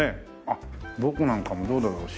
あっ僕なんかもどうだろう。